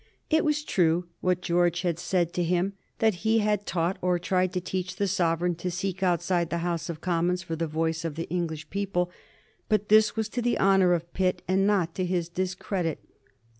It was true what George had said to him — ^that he had taught, or tried to teach, the Sovereign to seek outside the House of Com mons for the voice of the English people. But this was to the honor of Pitt, and not to his discredit.